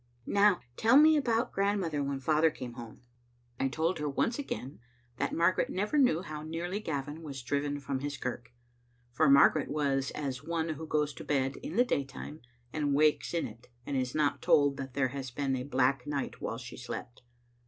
Now tell me about grandmother when father came home." 14 Digitized by VjOOQ IC 870 JSbc Xfttle Afnf0tet« I told her once again that Margaret never knew how nearly Gavin was driven from his kirk. For Margaret was as one who goes to bed in the daytime and wakes in it, and is not told that there has been a black night while she slept.